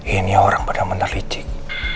ini orang benar benar licik